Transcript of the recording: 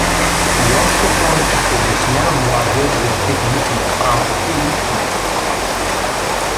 И още повече побесня младият защитник на правдата и истината.